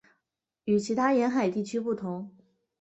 与其他沿海地区不同。